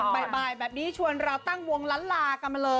ไปด้วยกันต่างวงละละ